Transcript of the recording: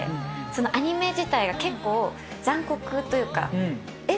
アニメ自体が結構残酷というかえっ？